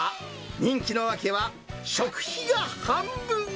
人気の訳は、食費が半分。